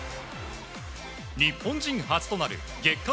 日本人初となる月間